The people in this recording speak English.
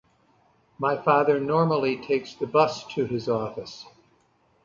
My father normally takes the bus to his office.